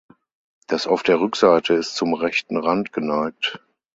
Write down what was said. Das auf der Rückseite ist zum rechten Rand geneigt.